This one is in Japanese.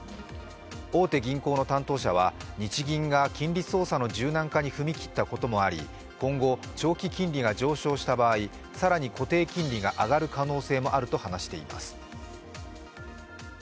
大手銀行の担当者は、日銀が金利操作の柔軟化に踏み切ったこともあり今後長期金利が上昇した場合、更に固定金利が上がる可能性もあると話しています。